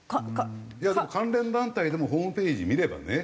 いやでも関連団体でもホームページ見ればね。